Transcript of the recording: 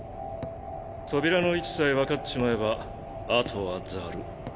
扉の位置さえ分かっちまえばあとはザル。